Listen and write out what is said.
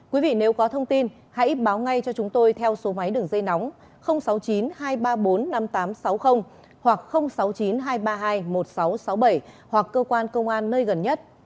quý vị nếu có thông tin hãy báo ngay cho chúng tôi theo số máy đường dây nóng sáu mươi chín hai trăm ba mươi bốn năm nghìn tám trăm sáu mươi hoặc sáu mươi chín hai trăm ba mươi hai một nghìn sáu trăm sáu mươi bảy hoặc cơ quan công an nơi gần nhất